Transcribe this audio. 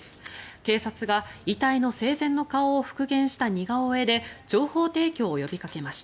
警察が、遺体の生前の顔を復元した似顔絵で情報提供を呼びかけました。